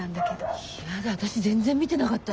やだ私全然見てなかった。